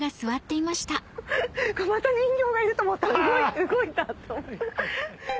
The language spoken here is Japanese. また人形がいると思ったら動いた。